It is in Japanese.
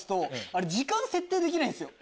あれ時間設定できないんですよ